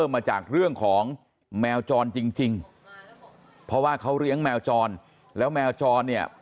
เพราะว่าเขาเลี้ยงแมวจรแล้วแมวจรเนี้ย